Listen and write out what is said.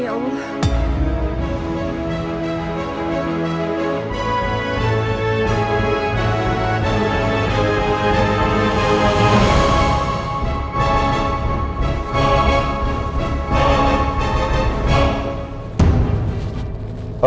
maksudnya berjalan nih literacy